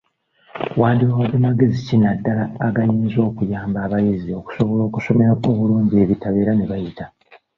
Wandibawadde magezi ki naddala agayinza okuyamba abayizi okusobola okusoma obulungi ebitabo era ne bayita?